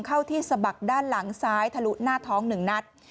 เข้าที่สะบักด้านหลังซ้ายทะลุหน้าท้อง๑นัด